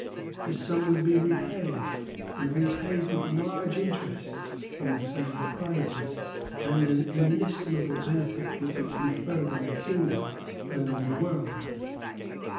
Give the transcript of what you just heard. That sum would be repaid, and repaid with large interest, from the sale of prizes; and an inestimable benefit would be conferred on the kingdom and on the world.